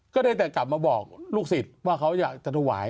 ก็ได้แต่กลับมาบอกลูกศิษย์ว่าเขาอยากจะถวาย